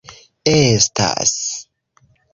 Estas...